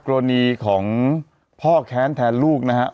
กรณีของพ่อแค้นแทนลูกนะฮะ